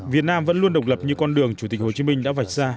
việt nam vẫn luôn độc lập như con đường chủ tịch hồ chí minh đã vạch ra